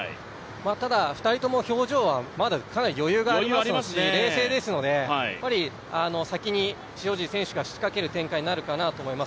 ただ、２人とも表情はまだ余裕がありますし、冷静ですので、先に塩尻選手が仕掛ける展開になるかなと思います。